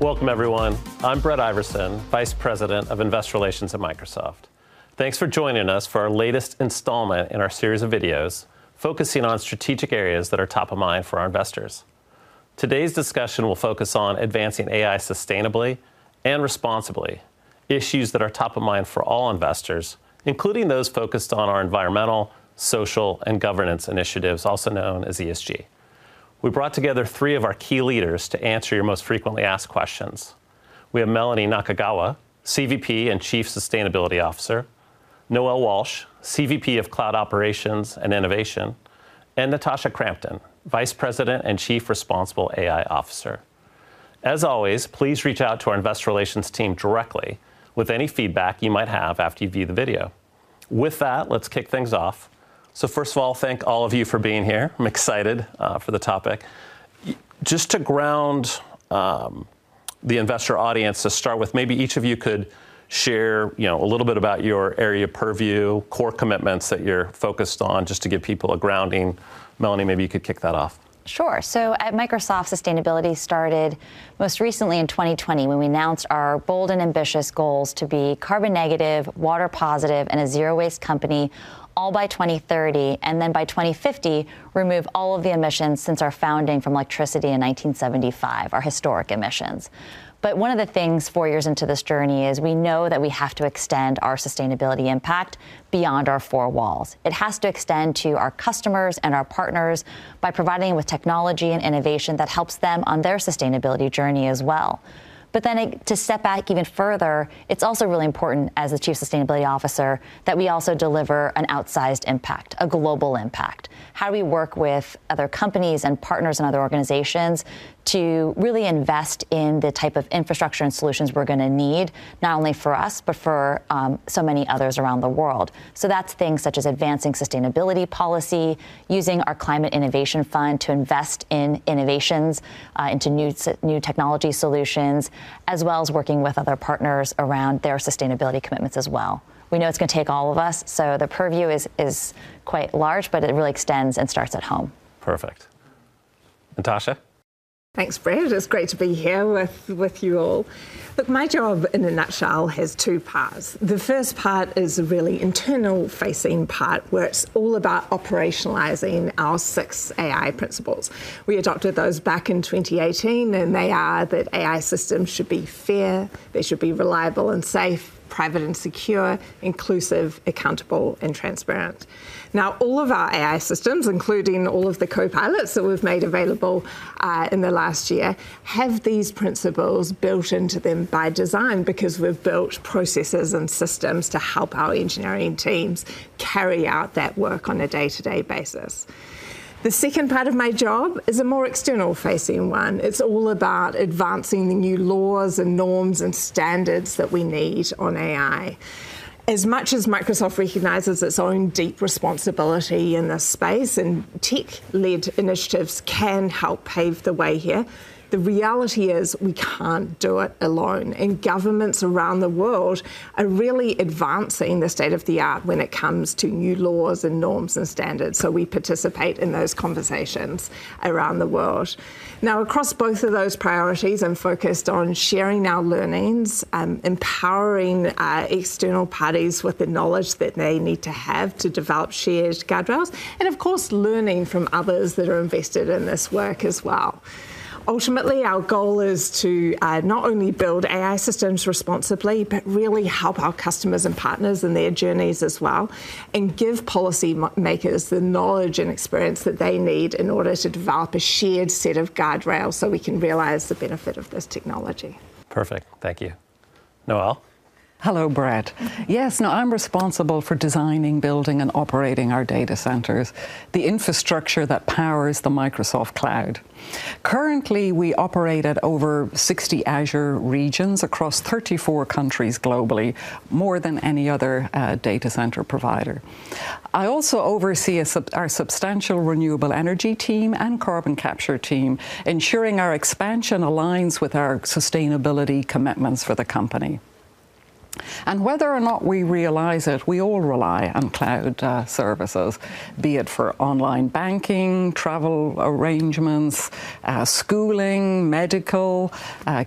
Welcome, everyone. I'm Brett Iversen, Vice President of Investor Relations at Microsoft. Thanks for joining us for our latest installment in our series of videos focusing on strategic areas that are top of mind for our investors. Today's discussion will focus on advancing AI sustainably and responsibly, issues that are top of mind for all investors, including those focused on our environmental, social, and governance initiatives, also known as ESG. We brought together three of our key leaders to answer your most frequently asked questions. We have Melanie Nakagawa, CVP and Chief Sustainability Officer; Noelle Walsh, CVP of Cloud Operations and Innovation; and Natasha Crampton, Vice President and Chief Responsible AI Officer. As always, please reach out to our Investor Relations team directly with any feedback you might have after you view the video. With that, let's kick things off. So first of all, thank all of you for being here. I'm excited for the topic. Just to ground the investor audience to start with, maybe each of you could share, you know, a little bit about your area purview, core commitments that you're focused on, just to give people a grounding. Melanie, maybe you could kick that off. Sure. So at Microsoft, sustainability started most recently in 2020, when we announced our bold and ambitious goals to be carbon negative, water positive, and a zero-waste company, all by 2030, and then by 2050, remove all of the emissions since our founding from electricity in 1975, our historic emissions. But one of the things, four years into this journey, is we know that we have to extend our sustainability impact beyond our four walls. It has to extend to our customers and our partners by providing with technology and innovation that helps them on their sustainability journey as well. But then to step back even further, it's also really important, as the chief sustainability officer, that we also deliver an outsized impact, a global impact. How do we work with other companies and partners and other organizations to really invest in the type of infrastructure and solutions we're gonna need, not only for us, but for so many others around the world? So that's things such as advancing sustainability policy, using our Climate Innovation Fund to invest in innovations, into new technology solutions, as well as working with other partners around their sustainability commitments as well. We know it's gonna take all of us, so the purview is quite large, but it really extends and starts at home. Perfect. Natasha? Thanks, Brett. It's great to be here with you all. Look, my job, in a nutshell, has two parts. The first part is a really internal-facing part, where it's all about operationalizing our six AI principles. We adopted those back in 2018, and they are that AI systems should be fair, they should be reliable and safe, private and secure, inclusive, accountable, and transparent. Now, all of our AI systems, including all of the Copilots that we've made available in the last year, have these principles built into them by design, because we've built processes and systems to help our engineering teams carry out that work on a day-to-day basis. The second part of my job is a more external-facing one. It's all about advancing the new laws and norms and standards that we need on AI. As much as Microsoft recognizes its own deep responsibility in this space, and tech-led initiatives can help pave the way here, the reality is, we can't do it alone, and governments around the world are really advancing the state of the art when it comes to new laws and norms and standards, so we participate in those conversations around the world. Now, across both of those priorities, I'm focused on sharing our learnings, empowering, external parties with the knowledge that they need to have to develop shared guardrails, and of course, learning from others that are invested in this work as well. Ultimately, our goal is to not only build AI systems responsibly, but really help our customers and partners in their journeys as well, and give policymakers the knowledge and experience that they need in order to develop a shared set of guardrails, so we can realize the benefit of this technology. Perfect. Thank you. Noelle? Hello, Brett. Yes, now I'm responsible for designing, building, and operating our data centers, the infrastructure that powers the Microsoft Cloud. Currently, we operate at over 60 Azure regions across 34 countries globally, more than any other data center provider. I also oversee our substantial renewable energy team and carbon capture team, ensuring our expansion aligns with our sustainability commitments for the company. Whether or not we realize it, we all rely on cloud services, be it for online banking, travel arrangements, schooling, medical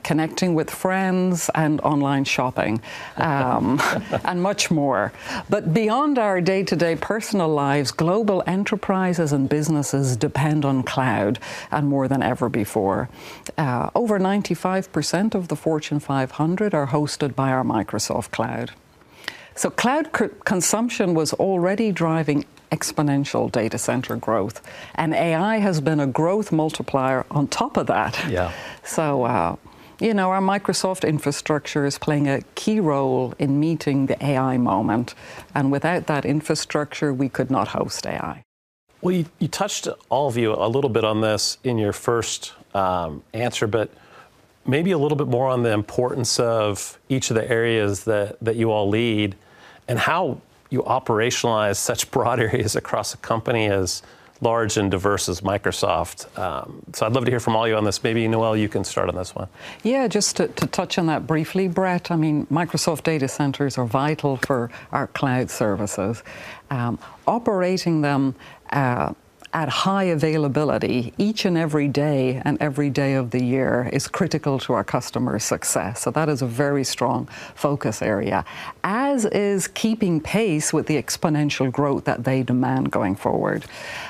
connecting with friends, and online shopping and much more. But beyond our day-to-day personal lives, global enterprises and businesses depend on cloud and more than ever before. Over 95% of the Fortune 500 are hosted by our Microsoft Cloud. So cloud consumption was already driving exponential data center growth, and AI has been a growth multiplier on top of that. Yeah. You know, our Microsoft infrastructure is playing a key role in meeting the AI moment, and without that infrastructure, we could not host AI. Well, you touched, all of you, a little bit on this in your first answer, but maybe a little bit more on the importance of each of the areas that you all lead, and how... you operationalize such broad areas across a company as large and diverse as Microsoft? So I'd love to hear from all of you on this. Maybe, Noelle, you can start on this one. Yeah, just to touch on that briefly, Brett, I mean, Microsoft data centers are vital for our cloud services. Operating them at high availability each and every day, and every day of the year, is critical to our customer success, so that is a very strong focus area, as is keeping pace with the exponential growth that they demand going forward.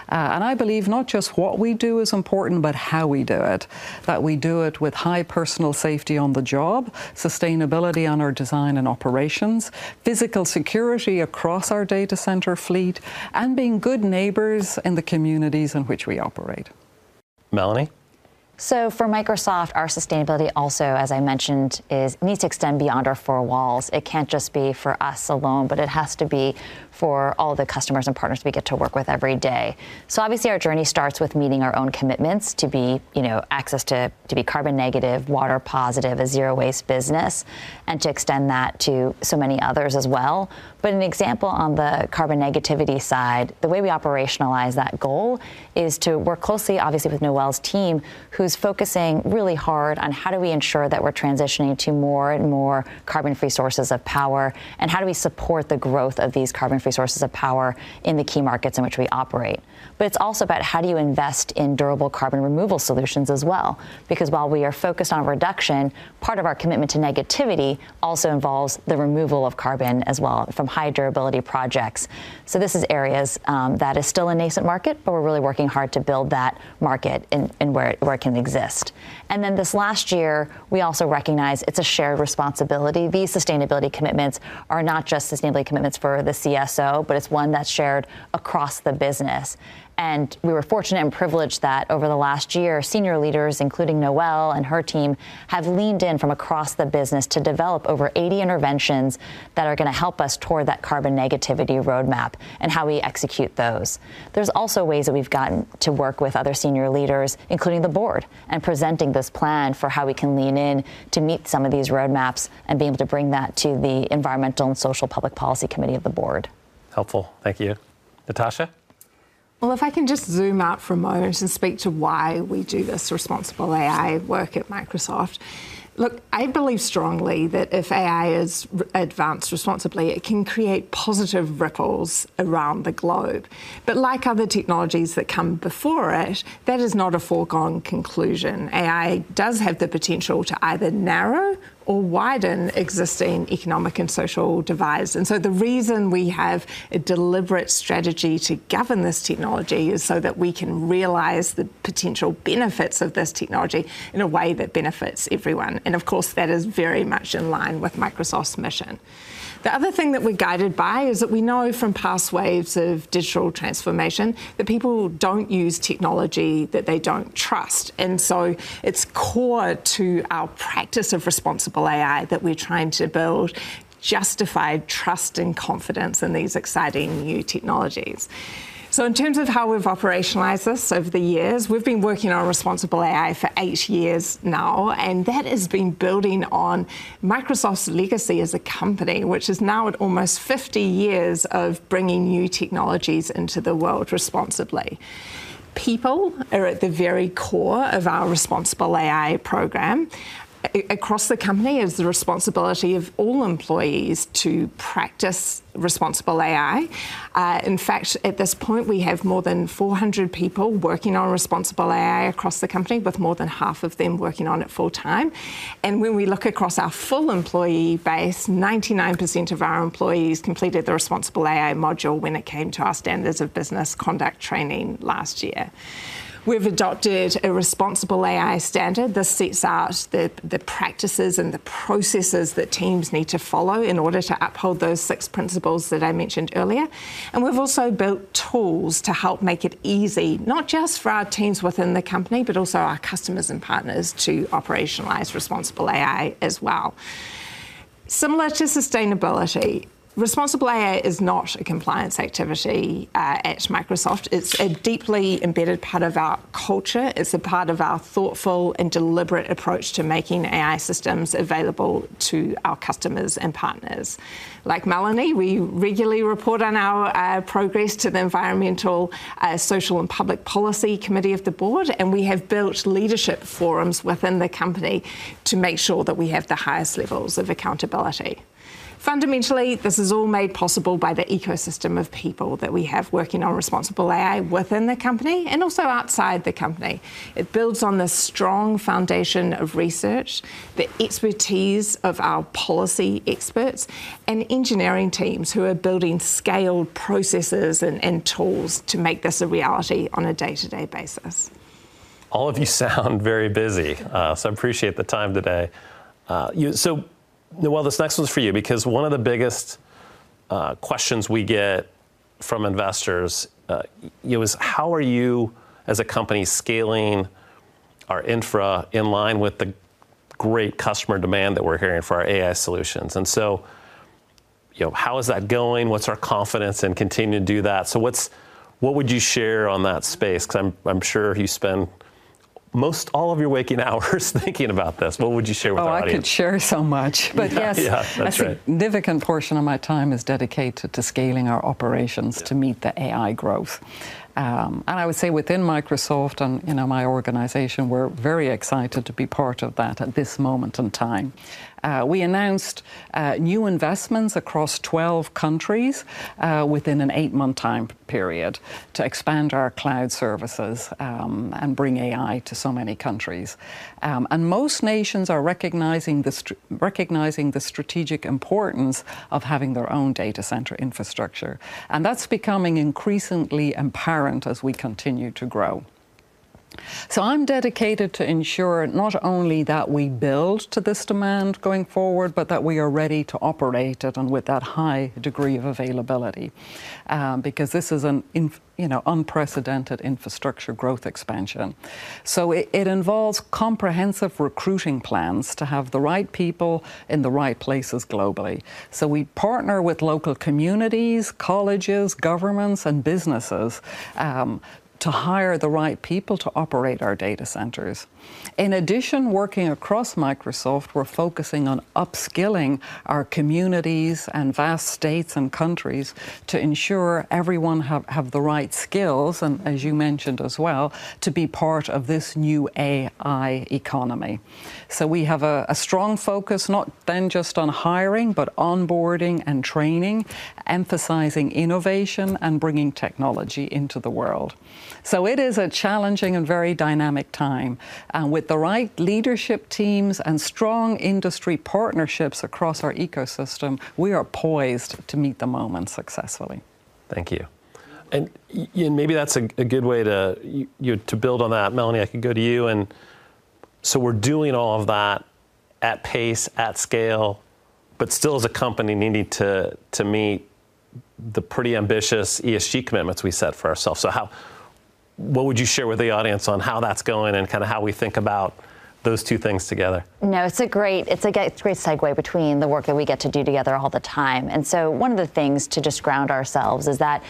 And I believe not just what we do is important, but how we do it, that we do it with high personal safety on the job, sustainability on our design and operations, physical security across our data center fleet, and being good neighbors in the communities in which we operate. Melanie? So for Microsoft, our sustainability also, as I mentioned, needs to extend beyond our four walls. It can't just be for us alone, but it has to be for all the customers and partners we get to work with every day. So obviously, our journey starts with meeting our own commitments to be, you know, carbon negative, water positive, a zero-waste business, and to extend that to so many others as well. But an example on the carbon negativity side, the way we operationalize that goal is to work closely, obviously, with Noelle's team, who's focusing really hard on how do we ensure that we're transitioning to more and more carbon-free sources of power, and how do we support the growth of these carbon-free sources of power in the key markets in which we operate? But it's also about how do you invest in durable carbon removal solutions as well? Because while we are focused on reduction, part of our commitment to carbon negativity also involves the removal of carbon as well from high durability projects. So this is areas that is still a nascent market, but we're really working hard to build that market and where it can exist. And then this last year, we also recognized it's a shared responsibility. These sustainability commitments are not just sustainability commitments for the CSO, but it's one that's shared across the business. And we were fortunate and privileged that over the last year, senior leaders, including Noelle and her team, have leaned in from across the business to develop over 80 interventions that are gonna help us toward that carbon negativity roadmap and how we execute those. There's also ways that we've gotten to work with other senior leaders, including the Board, and presenting this plan for how we can lean in to meet some of these roadmaps, and be able to bring that to the Environmental, Social, and Public Policy Committee of the Board. Helpful, thank you. Natasha? Well, if I can just zoom out for a moment and speak to why we do this responsible AI work at Microsoft. Look, I believe strongly that if AI is advanced responsibly, it can create positive ripples around the globe. But like other technologies that come before it, that is not a foregone conclusion. AI does have the potential to either narrow or widen existing economic and social divides, and so the reason we have a deliberate strategy to govern this technology is so that we can realize the potential benefits of this technology in a way that benefits everyone, and of course, that is very much in line with Microsoft's mission. The other thing that we're guided by is that we know from past waves of digital transformation, that people don't use technology that they don't trust. It's core to our practice of responsible AI that we're trying to build justified trust and confidence in these exciting new technologies. So in terms of how we've operationalized this over the years, we've been working on responsible AI for 8 years now, and that has been building on Microsoft's legacy as a company, which is now at almost 50 years of bringing new technologies into the world responsibly. People are at the very core of our responsible AI program. Across the company, it is the responsibility of all employees to practice responsible AI. In fact, at this point, we have more than 400 people working on responsible AI across the company, with more than half of them working on it full time. When we look across our full employee base, 99% of our employees completed the responsible AI module when it came to our Standards of Business Conduct training last year. We've adopted a Responsible AI Standard. This sets out the practices and the processes that teams need to follow in order to uphold those six principles that I mentioned earlier. We've also built tools to help make it easy, not just for our teams within the company, but also our customers and partners, to operationalize responsible AI as well. Similar to sustainability, responsible AI is not a compliance activity at Microsoft. It's a part of our thoughtful and deliberate approach to making AI systems available to our customers and partners. Like Melanie, we regularly report on our progress to the Environmental, Social, and Public Policy Committee of the Board, and we have built leadership forums within the company to make sure that we have the highest levels of accountability. Fundamentally, this is all made possible by the ecosystem of people that we have working on responsible AI within the company, and also outside the company. It builds on the strong foundation of research, the expertise of our policy experts, and engineering teams who are building scaled processes and tools to make this a reality on a day-to-day basis. All of you sound very busy, so I appreciate the time today. So Noelle, this next one's for you because one of the biggest questions we get from investors, you know, is, how are you, as a company, scaling our infra in line with the great customer demand that we're hearing for our AI solutions? And so, you know, how is that going? What's our confidence in continuing to do that? So what's, what would you share on that space? 'Cause I'm sure you spend most all of your waking hours thinking about this, what would you share with our audience? Oh, I could share so much. Yeah, yeah, that's right. But yes, a significant portion of my time is dedicated to scaling our operations- Yeah -to meet the AI growth. And I would say within Microsoft and, you know, my organization, we're very excited to be part of that at this moment in time. We announced new investments across 12 countries within an 8-month time period, to expand our cloud services and bring AI to so many countries. And most nations are recognizing the strategic importance of having their own data center infrastructure, and that's becoming increasingly apparent as we continue to grow. So I'm dedicated to ensure not only that we build to this demand going forward, but that we are ready to operate it, and with that high degree of availability because this is you know, unprecedented infrastructure growth expansion. So it involves comprehensive recruiting plans to have the right people in the right places globally. So we partner with local communities, colleges, governments, and businesses to hire the right people to operate our data centers. In addition, working across Microsoft, we're focusing on upskilling our communities and vast states and countries to ensure everyone have the right skills, and as you mentioned as well, to be part of this new AI economy. So we have a strong focus, not then just on hiring, but onboarding and training, emphasizing innovation and bringing technology into the world. So it is a challenging and very dynamic time, and with the right leadership teams and strong industry partnerships across our ecosystem, we are poised to meet the moment successfully. Thank you. And maybe that's a good way to build on that, Melanie. I can go to you, and so we're doing all of that at pace, at scale, but still as a company needing to meet the pretty ambitious ESG commitments we set for ourselves. So how... What would you share with the audience on how that's going and kind of how we think about those two things together? No, it's a great segue between the work that we get to do together all the time, and so one of the things to just ground ourselves is that,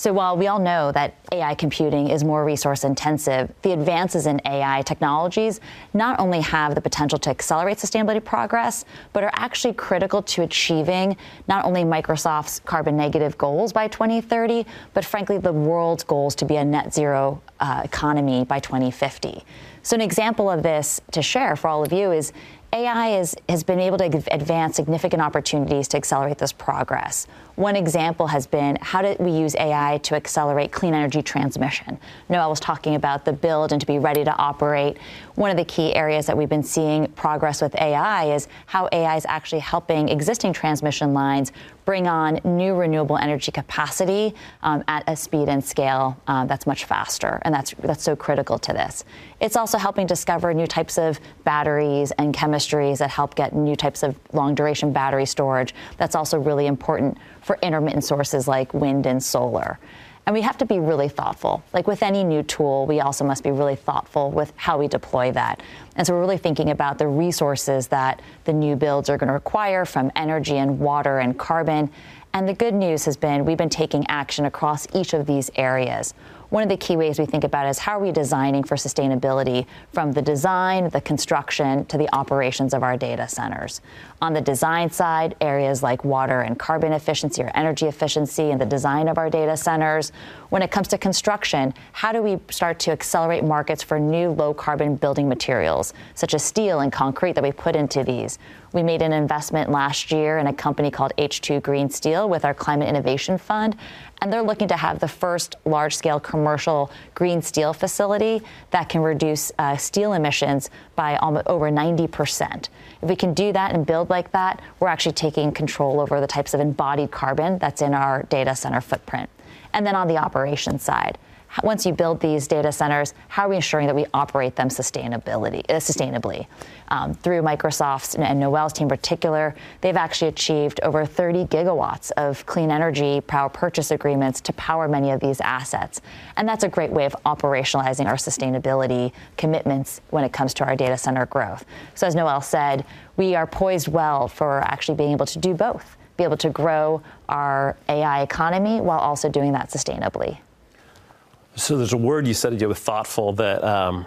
so while we all know that AI computing is more resource-intensive, the advances in AI technologies not only have the potential to accelerate sustainability progress, but are actually critical to achieving not only Microsoft's carbon negative goals by 2030, but frankly, the world's goals to be a net zero economy by 2050. So an example of this to share for all of you is, AI has been able to give advance significant opportunities to accelerate this progress. One example has been, how do we use AI to accelerate clean energy transmission? Noelle was talking about the build and to be ready to operate. One of the key areas that we've been seeing progress with AI is how AI is actually helping existing transmission lines bring on new renewable energy capacity at a speed and scale that's much faster, and that's so critical to this. It's also helping discover new types of batteries and chemistries that help get new types of long-duration battery storage. That's also really important for intermittent sources like wind and solar. And we have to be really thoughtful. Like with any new tool, we also must be really thoughtful with how we deploy that, and so we're really thinking about the resources that the new builds are gonna require from energy and water and carbon. And the good news has been, we've been taking action across each of these areas. One of the key ways we think about is, how are we designing for sustainability from the design, the construction, to the operations of our data centers? On the design side, areas like water and carbon efficiency or energy efficiency in the design of our data centers. When it comes to construction, how do we start to accelerate markets for new low-carbon building materials, such as steel and concrete, that we put into these? We made an investment last year in a company called H2 Green Steel with our Climate Innovation Fund, and they're looking to have the first large-scale commercial green steel facility that can reduce steel emissions by over 90%. If we can do that and build like that, we're actually taking control over the types of embodied carbon that's in our data center footprint. And then on the operations side, once you build these data centers, how are we ensuring that we operate them sustainably? Through Microsoft and Noelle's team in particular, they've actually achieved over 30 GW of clean energy power purchase agreements to power many of these assets, and that's a great way of operationalizing our sustainability commitments when it comes to our data center growth. So as Noelle said, we are poised well for actually being able to do both, be able to grow our AI economy while also doing that sustainably. So there's a word you said, you were thoughtful, that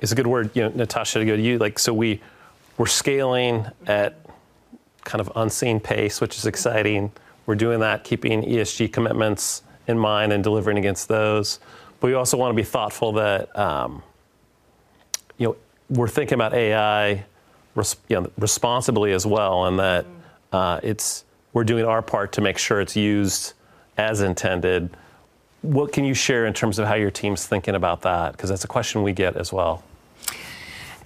is a good word. You know, Natasha, to go to you, like, so we're scaling at kind of unseen pace, which is exciting. We're doing that, keeping ESG commitments in mind and delivering against those. But we also want to be thoughtful that, you know, we're thinking about AI responsibly as well, and that- Mm... it's, we're doing our part to make sure it's used as intended. What can you share in terms of how your team's thinking about that? Because that's a question we get as well. ...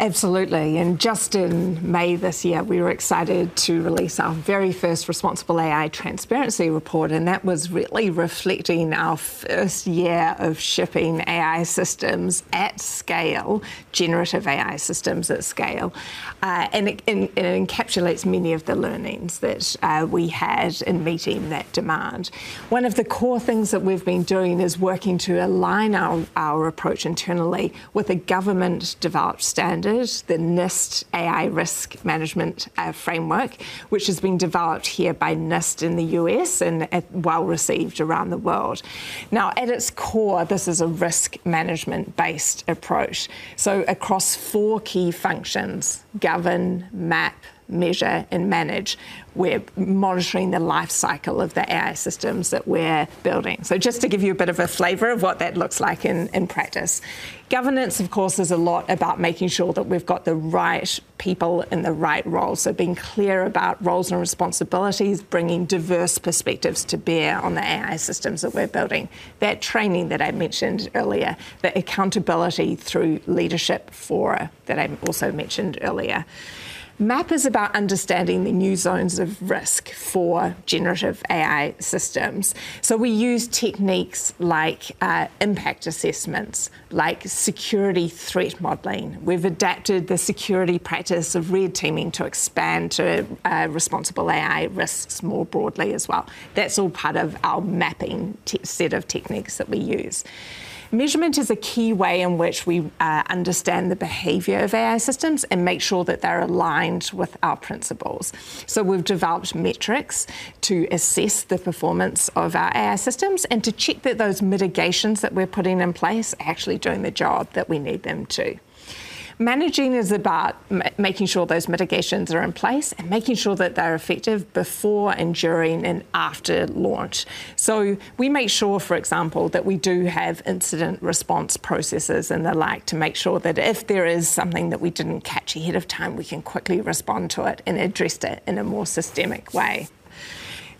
Absolutely, and just in May this year, we were excited to release our very first Responsible AI Transparency Report, and that was really reflecting our first year of shipping AI systems at scale, generative AI systems at scale. And it encapsulates many of the learnings that we had in meeting that demand. One of the core things that we've been doing is working to align our approach internally with a government-developed standard, the NIST AI Risk Management Framework, which has been developed here by NIST in the U.S., and well-received around the world. Now, at its core, this is a risk management-based approach. So across four key functions, govern, map, measure, and manage, we're monitoring the life cycle of the AI systems that we're building. So just to give you a bit of a flavor of what that looks like in practice. Governance, of course, is a lot about making sure that we've got the right people in the right roles, so being clear about roles and responsibilities, bringing diverse perspectives to bear on the AI systems that we're building. That training that I mentioned earlier, the accountability through leadership fora, that I also mentioned earlier. Mapping is about understanding the new zones of risk for generative AI systems. So we use techniques like impact assessments, like security threat modeling. We've adapted the security practice of red teaming to expand to responsible AI risks more broadly as well. That's all part of our mapping set of techniques that we use. Measurement is a key way in which we understand the behavior of AI systems, and make sure that they're aligned with our principles. So we've developed metrics to assess the performance of our AI systems, and to check that those mitigations that we're putting in place are actually doing the job that we need them to. Managing is about making sure those mitigations are in place, and making sure that they're effective before, and during, and after launch. So we make sure, for example, that we do have incident response processes and the like, to make sure that if there is something that we didn't catch ahead of time, we can quickly respond to it, and address it in a more systemic way.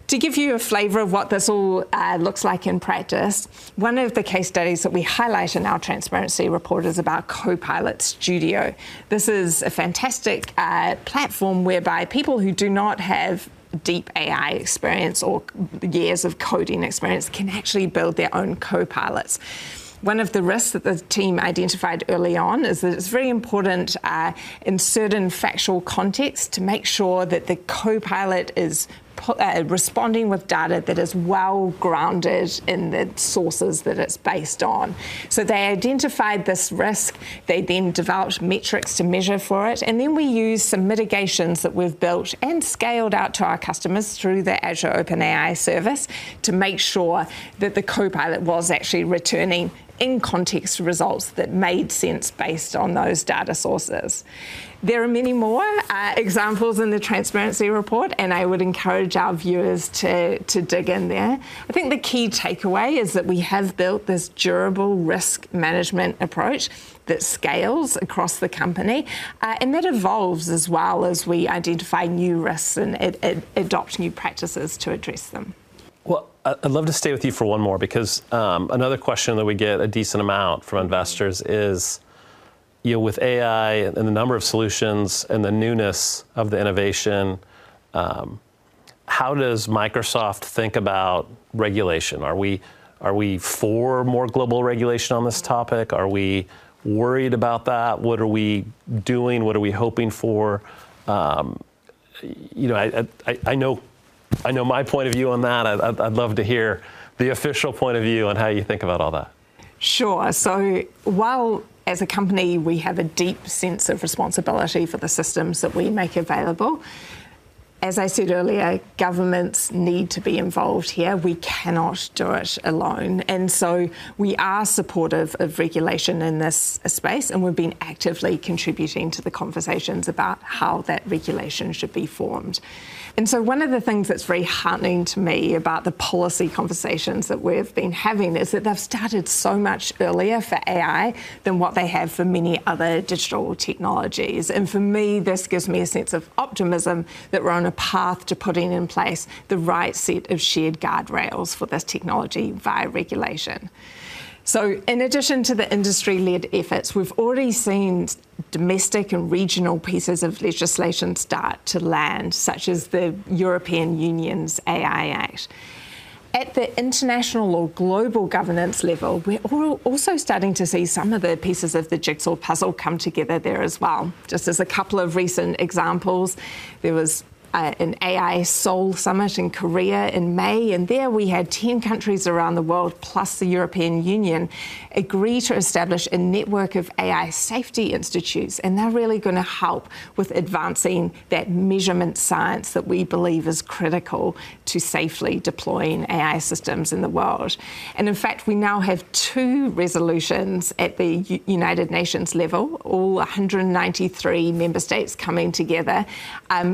To give you a flavor of what this all looks like in practice, one of the case studies that we highlight in our transparency report is about Copilot Studio. This is a fantastic platform whereby people who do not have deep AI experience or years of coding experience can actually build their own Copilots. One of the risks that the team identified early on is that it's very important in certain factual contexts, to make sure that the Copilot is responding with data that is well-grounded in the sources that it's based on. So they identified this risk, they then developed metrics to measure for it, and then we used some mitigations that we've built and scaled out to our customers through the Azure OpenAI Service, to make sure that the Copilot was actually returning in-context results that made sense based on those data sources. There are many more examples in the transparency report, and I would encourage our viewers to dig in there. I think the key takeaway is that we have built this durable risk management approach that scales across the company, and that evolves as well as we identify new risks and adopt new practices to address them. Well, I'd love to stay with you for one more, because another question that we get a decent amount from investors is, you know, with AI and the number of solutions, and the newness of the innovation, how does Microsoft think about regulation? Are we for more global regulation on this topic? Are we worried about that? What are we doing? What are we hoping for? You know, I know my point of view on that. I'd love to hear the official point of view on how you think about all that. Sure. So while as a company we have a deep sense of responsibility for the systems that we make available, as I said earlier, governments need to be involved here. We cannot do it alone. And so we are supportive of regulation in this space, and we've been actively contributing to the conversations about how that regulation should be formed. And so one of the things that's very heartening to me about the policy conversations that we've been having, is that they've started so much earlier for AI than what they have for many other digital technologies. And for me, this gives me a sense of optimism that we're on a path to putting in place the right set of shared guardrails for this technology, via regulation. So in addition to the industry-led efforts, we've already seen domestic and regional pieces of legislation start to land, such as the European Union's AI Act. At the international or global governance level, we're also starting to see some of the pieces of the jigsaw puzzle come together there as well. Just as a couple of recent examples, there was an AI Seoul Summit in Korea in May, and there we had 10 countries around the world, plus the European Union, agree to establish a network of AI Safety Institutes, and they're really gonna help with advancing that measurement science that we believe is critical to safely deploying AI systems in the world. In fact, we now have two resolutions at the United Nations level, all 193 member states coming together,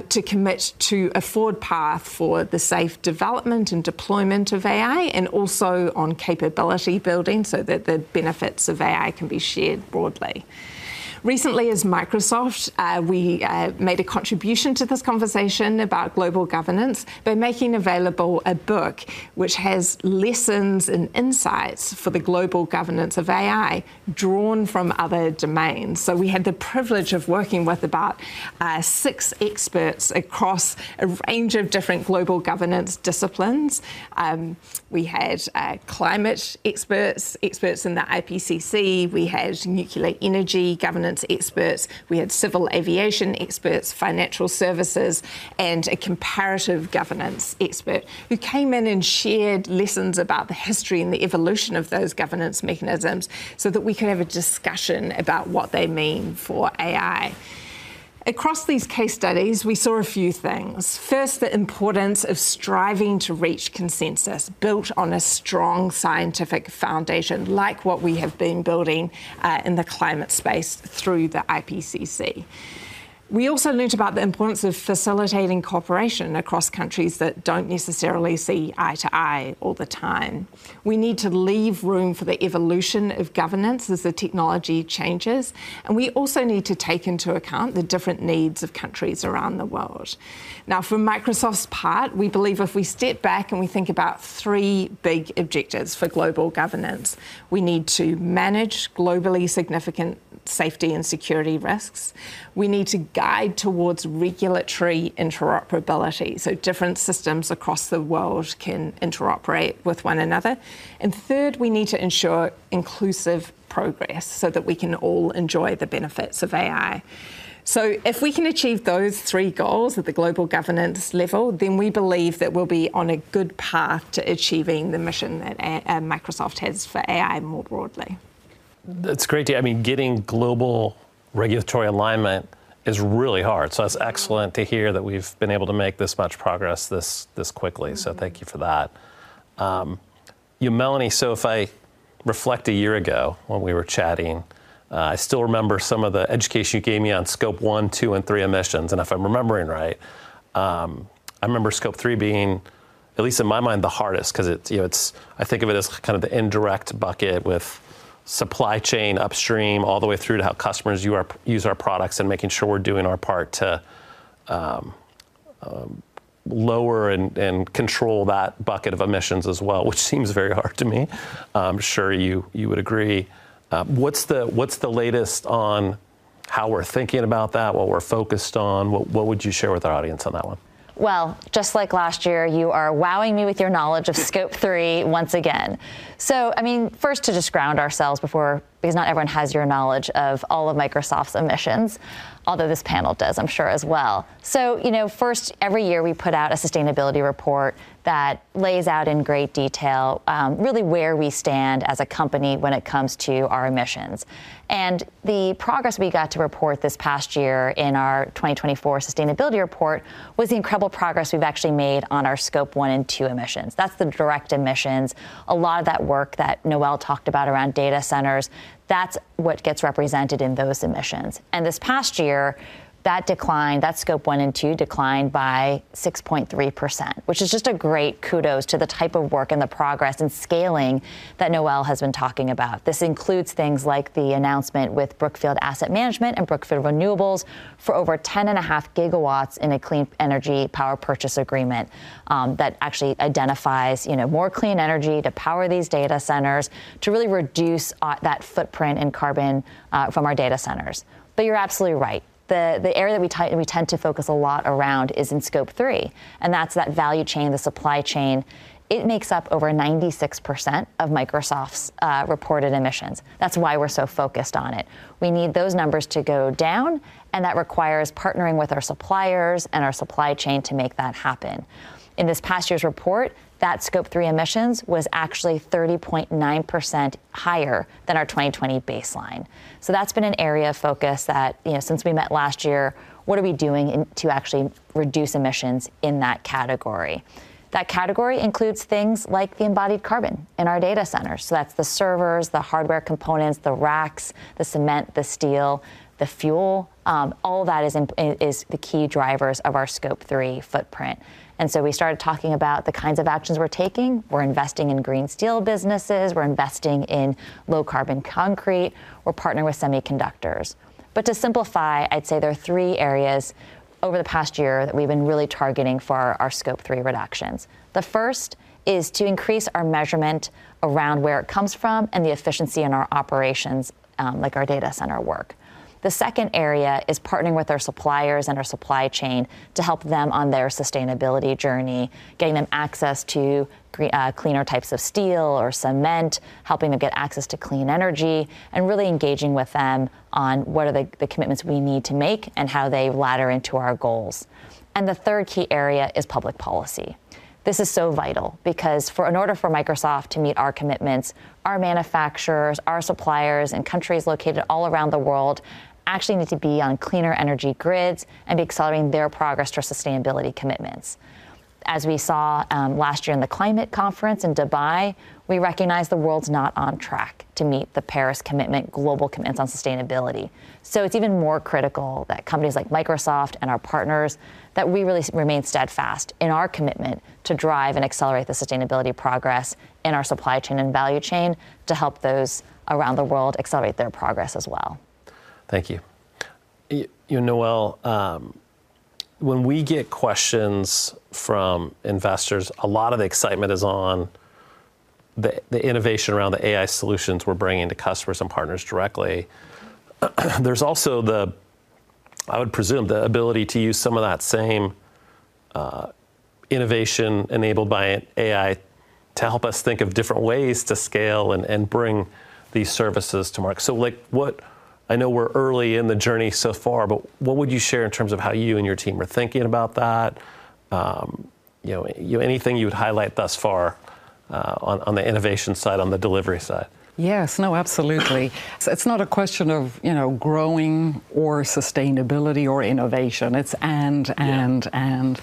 to commit to a forward path for the safe development and deployment of AI, and also on capability building, so that the benefits of AI can be shared broadly. Recently, as Microsoft, we made a contribution to this conversation about global governance by making available a book which has lessons and insights for the global governance of AI, drawn from other domains. We had the privilege of working with about six experts across a range of different global governance disciplines. We had climate experts, experts in the IPCC, we had nuclear energy governance experts, we had civil aviation experts, financial services, and a comparative governance expert, who came in and shared lessons about the history and the evolution of those governance mechanisms, so that we could have a discussion about what they mean for AI. Across these case studies, we saw a few things. First, the importance of striving to reach consensus, built on a strong scientific foundation, like what we have been building in the climate space through the IPCC. We also learned about the importance of facilitating cooperation across countries that don't necessarily see eye to eye all the time. We need to leave room for the evolution of governance as the technology changes, and we also need to take into account the different needs of countries around the world. Now, for Microsoft's part, we believe if we step back and we think about three big objectives for global governance, we need to manage globally significant safety and security risks, we need to guide towards regulatory interoperability, so different systems across the world can interoperate with one another, and third, we need to ensure inclusive progress, so that we can all enjoy the benefits of AI. So if we can achieve those three goals at the global governance level, then we believe that we'll be on a good path to achieving the mission that Microsoft has for AI more broadly. That's great to hear. I mean, getting global regulatory alignment is really hard, so it's excellent to hear that we've been able to make this much progress this quickly. Mm. So thank you for that. Yeah, Melanie, so if I reflect a year ago when we were chatting, I still remember some of the education you gave me on Scope 1, 2, and 3 emissions, and if I'm remembering right, I remember Scope 3 being, at least in my mind, the hardest, 'cause it, you know, it's kind of the indirect bucket with supply chain, upstream, all the way through to how customers use our products, and making sure we're doing our part to lower and control that bucket of emissions as well, which seems very hard to me. I'm sure you would agree. What's the latest on how we're thinking about that, what we're focused on, what would you share with our audience on that one? Well, just like last year, you are wowing me with your knowledge of Scope 3... once again. So I mean, first, to just ground ourselves before, because not everyone has your knowledge of all of Microsoft's emissions, although this panel does, I'm sure, as well. So, you know, first, every year, we put out a sustainability report that lays out in great detail, really where we stand as a company when it comes to our emissions. And the progress we got to report this past year in our 2024 Sustainability Report was the incredible progress we've actually made on our scope one and two emissions. That's the direct emissions. A lot of that work that Noelle talked about around data centers, that's what gets represented in those emissions. This past year, that declined, that Scope 1 and 2 declined by 6.3%, which is just a great kudos to the type of work and the progress and scaling that Noelle has been talking about. This includes things like the announcement with Brookfield Asset Management and Brookfield Renewables, for over 10.5 GW in a clean energy Power Purchase Agreement, that actually identifies, you know, more clean energy to power these data centers, to really reduce that footprint in carbon from our data centers. But you're absolutely right, the area that we tend to focus a lot around is in Scope 3, and that's that value chain, the supply chain. It makes up over 96% of Microsoft's reported emissions. That's why we're so focused on it. We need those numbers to go down, and that requires partnering with our suppliers and our supply chain to make that happen. In this past year's report, that Scope 3 emissions was actually 30.9% higher than our 2020 baseline. So that's been an area of focus that, you know, since we met last year, what are we doing to actually reduce emissions in that category? That category includes things like the embodied carbon in our data centers, so that's the servers, the hardware components, the racks, the cement, the steel, the fuel, all that is the key drivers of our Scope 3 footprint. And so we started talking about the kinds of actions we're taking. We're investing in green steel businesses, we're investing in low carbon concrete, we're partnering with semiconductors. But to simplify, I'd say there are three areas over the past year that we've been really targeting for our Scope 3 reductions. The first is to increase our measurement around where it comes from and the efficiency in our operations, like our data center work. The second area is partnering with our suppliers and our supply chain to help them on their sustainability journey, getting them access to cleaner types of steel or cement, helping them get access to clean energy, and really engaging with them on what are the commitments we need to make and how they ladder into our goals. And the third key area is public policy. This is so vital, because in order for Microsoft to meet our commitments, our manufacturers, our suppliers, and countries located all around the world actually need to be on cleaner energy grids and be accelerating their progress to sustainability commitments. As we saw last year in the climate conference in Dubai, we recognized the world's not on track to meet the Paris commitment, global commitments on sustainability. So it's even more critical that companies like Microsoft and our partners, that we really remain steadfast in our commitment to drive and accelerate the sustainability progress in our supply chain and value chain, to help those around the world accelerate their progress as well. Thank you. You know, Noelle, when we get questions from investors, a lot of the excitement is on the innovation around the AI solutions we're bringing to customers and partners directly. There's also, I would presume, the ability to use some of that same innovation enabled by AI to help us think of different ways to scale and bring these services to market. So like, I know we're early in the journey so far, but what would you share in terms of how you and your team are thinking about that? You know, anything you would highlight thus far, on the innovation side, on the delivery side? Yes. No, absolutely. So it's not a question of, you know, growing or sustainability or innovation. It's and, and- Yeah...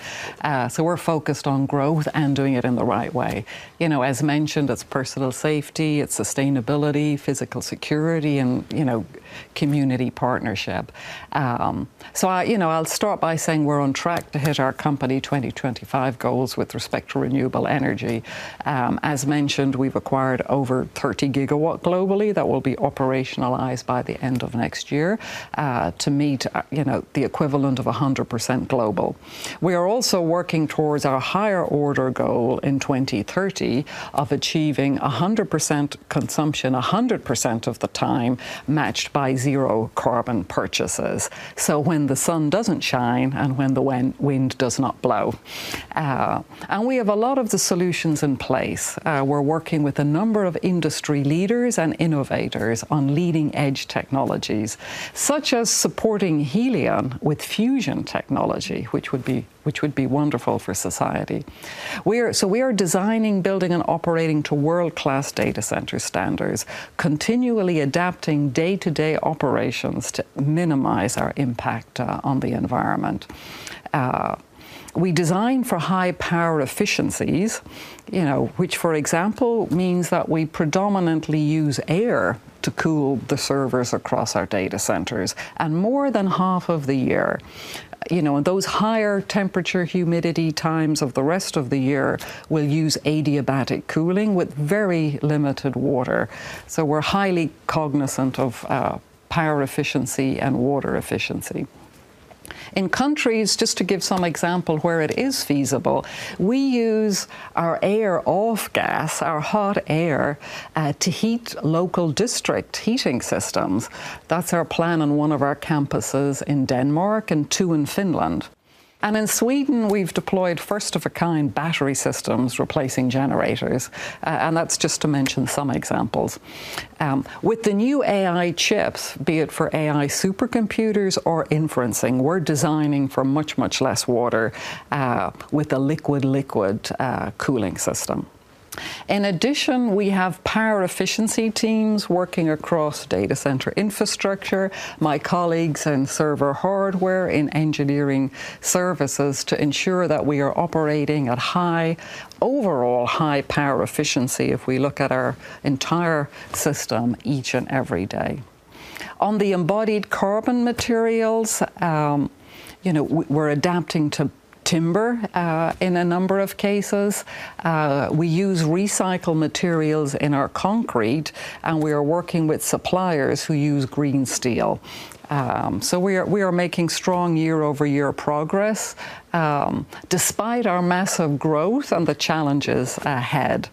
and, so we're focused on growth and doing it in the right way. You know, as mentioned, it's personal safety, it's sustainability, physical security, and, you know, community partnership. So I, you know, I'll start by saying we're on track to hit our company 2025 goals with respect to renewable energy. As mentioned, we've acquired over 30 GW globally that will be operationalized by the end of next year, to meet, you know, the equivalent of 100% global. We are also working towards our higher order goal in 2030 of achieving 100% consumption, 100% of the time, matched by zero carbon purchases, so when the sun doesn't shine and when the wind, wind does not blow. And we have a lot of the solutions in place. We're working with a number of industry leaders and innovators on leading-edge technologies, such as supporting Helion with fusion technology, which would be wonderful for society. So we are designing, building, and operating to world-class data center standards, continually adapting day-to-day operations to minimize our impact on the environment. We design for high-power efficiencies, you know, which, for example, means that we predominantly use air to cool the servers across our data centers, and more than half of the year. You know, those higher temperature, humidity times of the rest of the year, we'll use adiabatic cooling with very limited water. So we're highly cognizant of power efficiency and water efficiency. In countries, just to give some example, where it is feasible, we use our air off gas, our hot air to heat local district heating systems. That's our plan on one of our campuses in Denmark and two in Finland. And in Sweden, we've deployed first-of-its-kind battery systems replacing generators. And that's just to mention some examples. With the new AI chips, be it for AI supercomputers or inferencing, we're designing for much, much less water with a liquid-liquid cooling system. In addition, we have power efficiency teams working across data center infrastructure, my colleagues in server hardware, in engineering services, to ensure that we are operating at high overall high power efficiency if we look at our entire system each and every day. On the embodied carbon materials, you know, we're adapting to timber in a number of cases. We use recycled materials in our concrete, and we are working with suppliers who use green steel. So we are making strong year-over-year progress, despite our massive growth and the challenges ahead.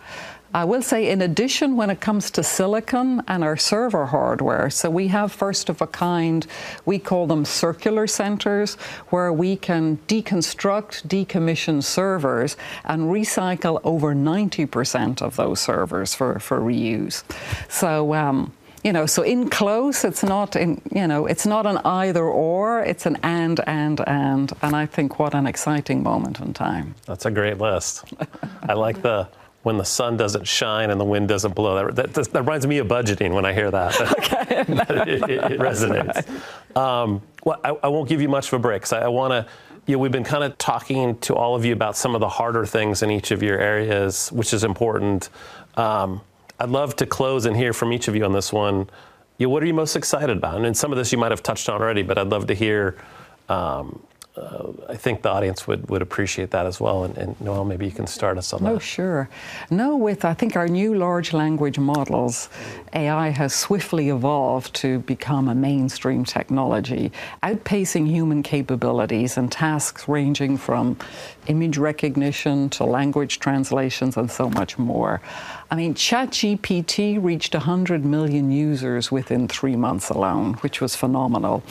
I will say, in addition, when it comes to silicon and our server hardware, so we have first-of-a-kind, we call them Circular Centers, where we can deconstruct, decommission servers, and recycle over 90% of those servers for reuse. So, you know, so in close, it's not you know, it's not an either/or, it's an and, and I think what an exciting moment in time. That's a great list. I like the, when the sun doesn't shine, and the wind doesn't blow. That reminds me of budgeting when I hear that. Okay. It resonates. Well, I won't give you much of a break, 'cause I wanna... You know, we've been kind of talking to all of you about some of the harder things in each of your areas, which is important. I'd love to close and hear from each of you on this one: you know, what are you most excited about? And then some of this you might have touched on already, but I'd love to hear, I think the audience would appreciate that as well. And Noelle, maybe you can start us on that. Oh, sure. Now, with, I think, our new large language models, AI has swiftly evolved to become a mainstream technology, outpacing human capabilities and tasks ranging from image recognition to language translations, and so much more. I mean, ChatGPT reached 100 million users within 3 months alone, which was phenomenal,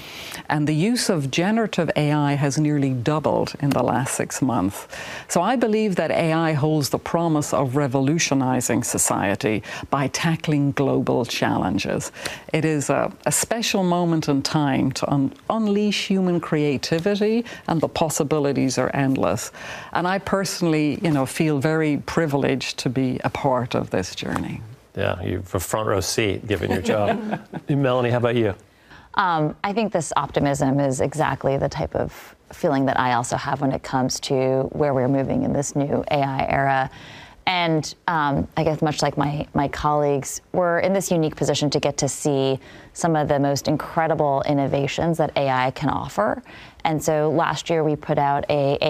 and the use of generative AI has nearly doubled in the last 6 months. So I believe that AI holds the promise of revolutionizing society by tackling global challenges. It is a special moment in time to unleash human creativity, and the possibilities are endless. And I personally, you know, feel very privileged to be a part of this journey. Yeah, you've a front row seat, given your job. Melanie, how about you?... I think this optimism is exactly the type of feeling that I also have when it comes to where we're moving in this new AI era. And, I guess much like my colleagues, we're in this unique position to get to see some of the most incredible innovations that AI can offer. And so last year we put out an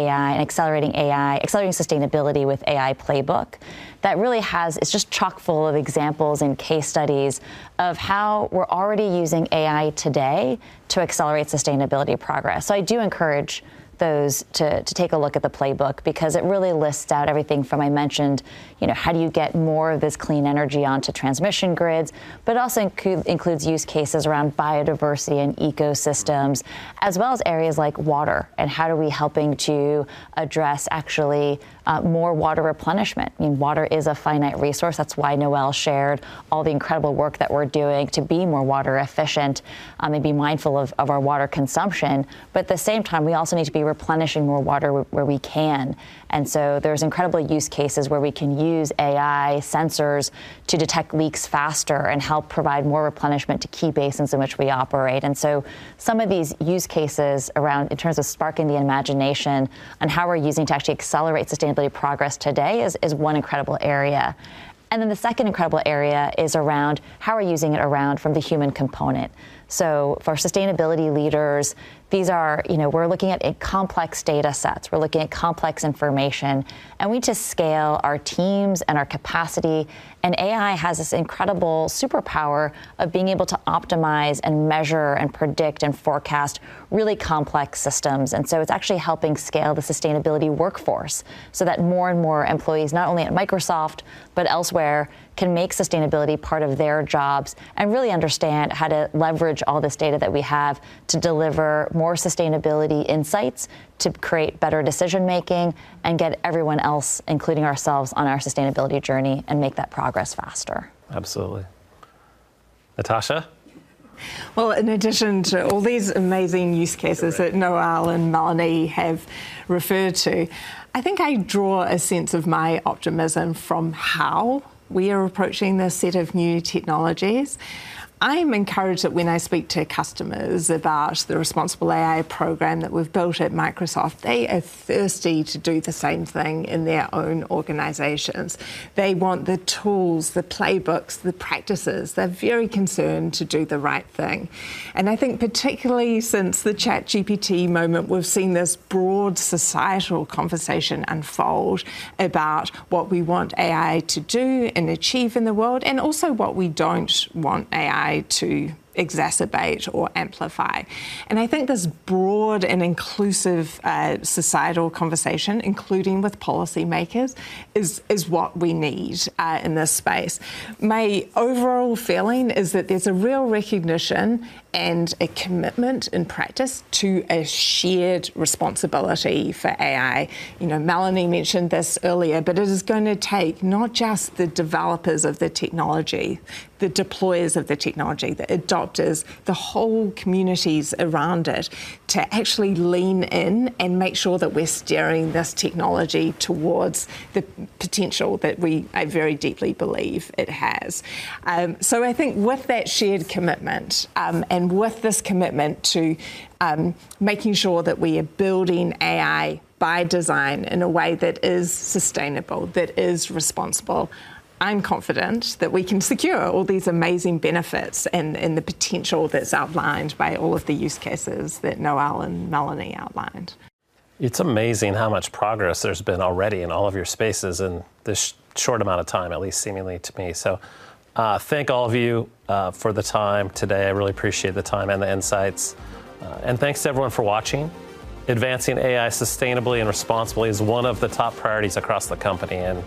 accelerating AI Accelerating Sustainability with AI playbook, that really has. It's just chock full of examples and case studies of how we're already using AI today to accelerate sustainability progress. So I do encourage those to take a look at the playbook, because it really lists out everything from, I mentioned, you know, how do you get more of this clean energy onto transmission grids? But it also includes use cases around biodiversity and ecosystems, as well as areas like water, and how are we helping to address actually, more water replenishment. I mean, water is a finite resource, that's why Noelle shared all the incredible work that we're doing to be more water efficient, and be mindful of, of our water consumption. But at the same time, we also need to be replenishing more water where we can. And so there's incredible use cases where we can use AI sensors to detect leaks faster and help provide more replenishment to key basins in which we operate. And so some of these use cases around, in terms of sparking the imagination, and how we're using to actually accelerate sustainability progress today, is one incredible area. And then the second incredible area is around how we're using it around from the human component. So for our sustainability leaders, these are... You know, we're looking at a complex data sets, we're looking at complex information, and we need to scale our teams and our capacity, and AI has this incredible superpower of being able to optimize, and measure, and predict, and forecast really complex systems. And so it's actually helping scale the sustainability workforce so that more and more employees, not only at Microsoft, but elsewhere, can make sustainability part of their jobs, and really understand how to leverage all this data that we have to deliver more sustainability insights, to create better decision-making, and get everyone else, including ourselves, on our sustainability journey, and make that progress faster. Absolutely. Natasha? Well, in addition to all these amazing use cases- Right... that Noelle and Melanie have referred to, I think I draw a sense of my optimism from how we are approaching this set of new technologies. I'm encouraged that when I speak to customers about the responsible AI program that we've built at Microsoft, they are thirsty to do the same thing in their own organizations. They want the tools, the playbooks, the practices. They're very concerned to do the right thing. And I think particularly since the ChatGPT moment, we've seen this broad societal conversation unfold about what we want AI to do and achieve in the world, and also what we don't want AI to exacerbate or amplify. And I think this broad and inclusive societal conversation, including with policymakers, is what we need in this space. My overall feeling is that there's a real recognition and a commitment in practice to a shared responsibility for AI. You know, Melanie mentioned this earlier, but it is gonna take not just the developers of the technology, the deployers of the technology, the adopters, the whole communities around it, to actually lean in and make sure that we're steering this technology towards the potential that we, I very deeply believe it has. So I think with that shared commitment, and with this commitment to, making sure that we are building AI by design in a way that is sustainable, that is responsible, I'm confident that we can secure all these amazing benefits and, and the potential that's outlined by all of the use cases that Noelle and Melanie outlined. It's amazing how much progress there's been already in all of your spaces in this short amount of time, at least seemingly to me. So, thank all of you for the time today. I really appreciate the time and the insights. And thanks to everyone for watching. Advancing AI sustainably and responsibly is one of the top priorities across the company, and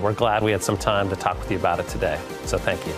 we're glad we had some time to talk with you about it today, so thank you.